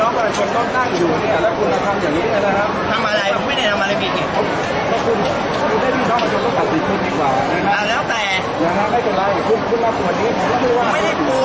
อาหรับเชี่ยวจามันไม่มีควรหยุด